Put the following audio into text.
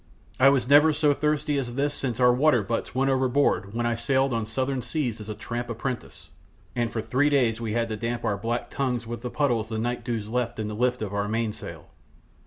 I was never so thirsty as this since our water butts went overboard when I sailed the southern seas as a tramp apprentice, and for three days we had to damp our black tongues with the puddles the night dews left in the lift of our mainsail."